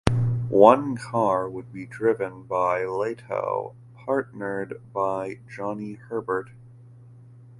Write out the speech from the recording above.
One car would be driven by Lehto, partnered by Johnny Herbert.